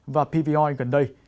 và pvoi gần đây